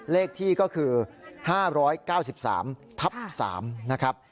เลขที่ก็คือ๕๙๓ทับ๓นะครับ